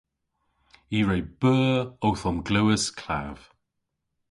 I re beu owth omglewas klav.